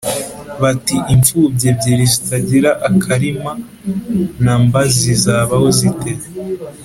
bati: “Imfubyi ebyiri zitagira akarima na mba zizabaho zite